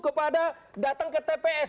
kepada datang ke tps